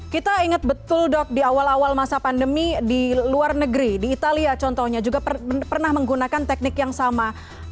kita ingat betul dok di awal awal masa pandemi di luar negeri di italia contohnya juga pernah menggunakan teknik yang sama